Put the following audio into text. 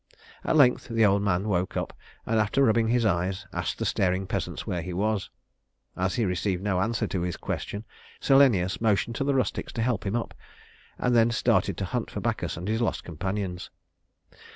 At length the old man woke up, and after rubbing his eyes, asked the staring peasants where he was. As he received no answer to his question, Silenus motioned to the rustics to help him up, and then started to hunt for Bacchus and his lost companions.